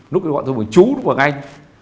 lúc đó gọi tôi là chú lúc đó gọi là anh